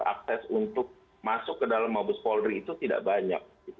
akses untuk masuk ke dalam mabes polri itu tidak banyak